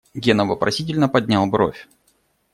Гена вопросительно поднял бровь.